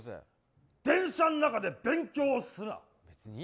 電車の中で勉強するな。